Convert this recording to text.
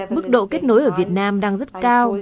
mức độ kết nối ở việt nam đang rất cao